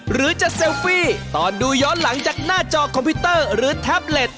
หรือจะเซลฟี่ตอนดูย้อนหลังจากหน้าจอคอมพิวเตอร์หรือแท็บเล็ต